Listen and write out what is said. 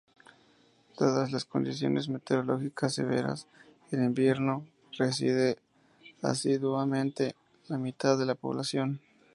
Dadas las condiciones meteorológicas severas, en invierno reside asiduamente la mitad de la población.